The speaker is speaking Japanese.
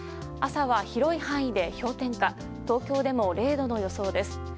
朝は広い範囲で氷点下東京でも０度の予想です。